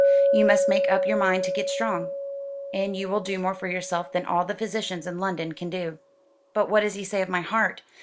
You must make up your mind to get strong; and you will do more for yourself than all the physicians in London can do." "But what does he say of my heart?